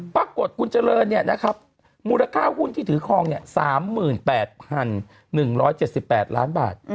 ปรากฏคุณเจริญมูลค่าหุ้นที่ถือคลอง๓๘๑๗๘ล้านบาท